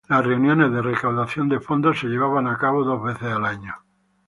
Reuniones de recaudación de fondos eran llevadas a cabo dos veces al año.